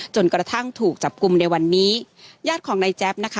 จนกระทั่งถูกจับกลุ่มในวันนี้ญาติของนายแจ๊บนะคะ